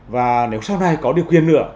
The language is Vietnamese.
và nếu sau này có điều kiện nữa